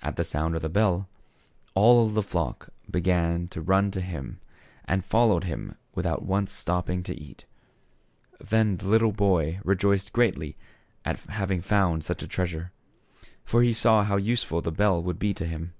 At the sound of the bell, all the flock began to run to him, and followed him without once stop THE SHEPHERD BOY. 61 ping to eat. Then the little boy rejoiced greatly at having found such a treasure ; for he saw how useful the bell would be to him.